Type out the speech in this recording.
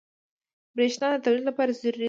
بریښنا د تولید لپاره ضروري ده.